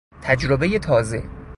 تجربهی تازه